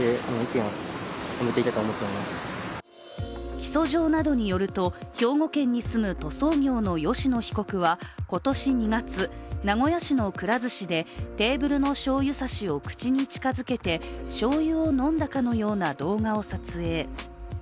起訴状などによると、兵庫県に住む塗装業の吉野被告は、今年２月名古屋市のくら寿司でテーブルのしょうゆ差しを口に近づけてしょうゆを飲んだかのような動画を撮影。